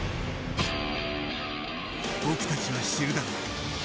僕たちは知るだろう。